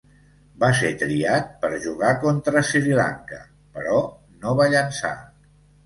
Va ser triat per jugar contra Sri Lanka però no va llançar.